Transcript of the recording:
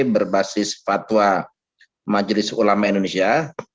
berbasis fatwa majelis ulama indonesia